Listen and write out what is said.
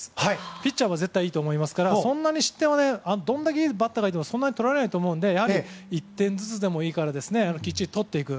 ピッチャーは絶対いいと思うのでそんなにバッターが良くても点はそんなに取られないと思うので１点ずつでいいからきっちり取っていく。